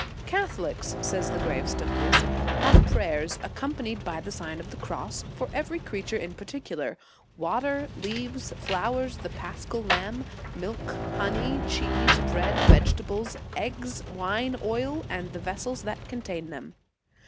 "Catholics," says the grave Stuckius, "have prayers, accompanied by the Sign of the Cross, for every creature in particular; water, leaves, flowers, the Paschal lamb, milk, honey, cheese, bread, vegetables, eggs, wine, oil, and the vessels that contain them.